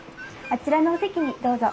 あちらのお席にどうぞ。